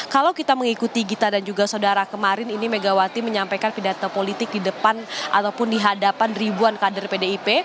kalau kita mengikuti gita dan juga saudara kemarin ini megawati menyampaikan pidato politik di depan ataupun di hadapan ribuan kader pdip